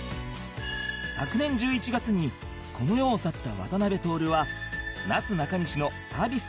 昨年１１月にこの世を去った渡辺徹はなすなかにしのサービス